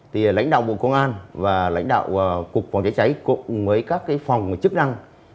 thì lãnh đạo bộ công an và lãnh đạo cục phòng cháy cháy cùng với các phòng chức năng